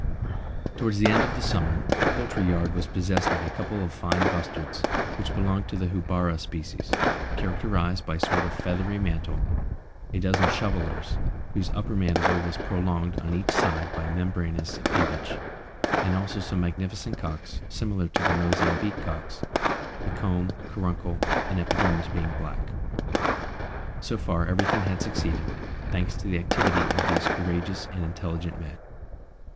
Towards the end of the summer, the poultry yard was possessed of a couple of fine bustards, which belonged to the houbara species, characterised by a sort of feathery mantle; a dozen shovellers, whose upper mandible was prolonged on each side by a membraneous appendage; and also some magnificent cocks, similar to the Mozambique cocks, the comb, caruncle and epidermis being black. So far, everything had succeeded, thanks to the activity of these courageous and intelligent men.